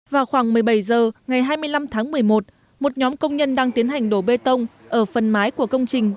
vào khoảng một mươi bảy h ngày hai mươi năm tháng một mươi một một nhóm công nhân đang tiến hành đổ bê tông ở phần mái của công trình